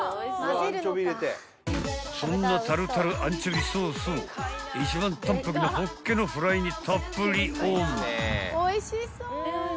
［そんなタルタルアンチョビソースを一番淡泊なホッケのフライにたっぷりオン］